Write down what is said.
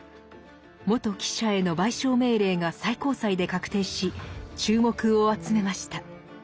元記者への賠償命令が最高裁で確定し注目を集めました。